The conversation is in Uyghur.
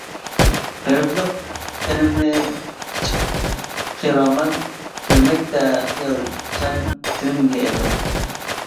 غېرىبلىق قېنىمنى ئىچىپ خىرامان، كىرمەكتە خىيالچان تېنىمگە ئېقىپ.